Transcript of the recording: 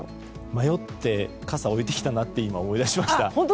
迷って傘を置いてきたなって今、思い出しました。